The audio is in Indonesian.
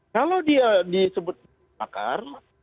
kalau dia disebut makar